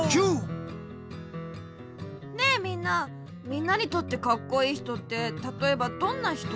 ねえみんなみんなにとってカッコイイひとってたとえばどんなひと？